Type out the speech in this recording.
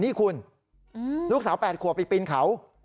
นี่คุณลูกสาว๘ขวบไปปีนเขา